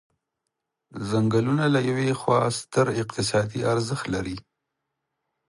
څنګلونه له یوې خوا ستر اقتصادي ارزښت لري.